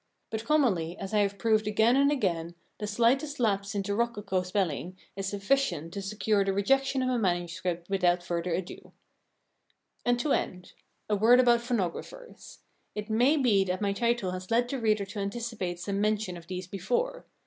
But commonly, as I have proved again and again, the slightest lapse into rococo spelling is sufficient to secure the rejection of a manuscript without further ado. And to end, a word about Phonographers. It may be that my title has led the reader to anticipate some mention of these before.